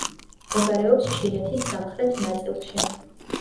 მდებარეობს ჩინეთის სამხრეთ ნაწილში.